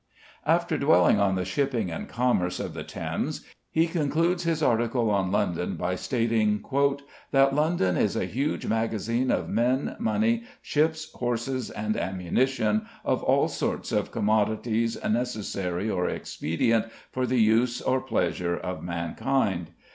After dwelling on the shipping and commerce of the Thames, he concludes his article on London by stating "that London is a huge magazine of men, money, ships, horses and ammunition, of all sorts of commodities necessary or expedient for the use or pleasure of mankind.